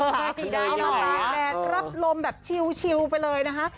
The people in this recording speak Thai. เอามาตากแดดรับลมแบบชิวไปเลยนะคะ